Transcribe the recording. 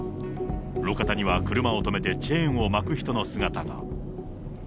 路肩には車を止めてチェーンを巻く人の姿が。